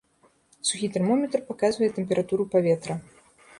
Сухі тэрмометр паказвае тэмпературу паветра.